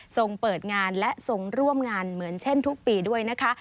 ส่งเปิดงานและทรงร่วมงานเหมือนเช่นทุกปีด้วยนะคะ